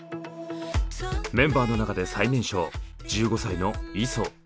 メンバーの中で最年少１５歳のイソ。